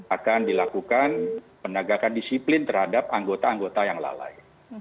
akan dilakukan penegakan disiplin terhadap anggota anggota yang lalai